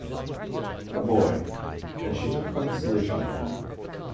“A boy.” And she took consolation in that.